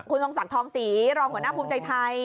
คุณทรงศักดิ์ทองศรีรองหัวหน้าภูมิใจไทย